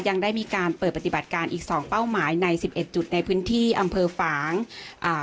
ยังได้มีการเปิดปฏิบัติการอีกสองเป้าหมายในสิบเอ็ดจุดในพื้นที่อำเภอฝางอ่า